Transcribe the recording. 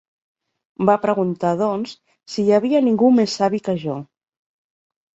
Va preguntar, doncs, si hi havia ningú més savi que jo.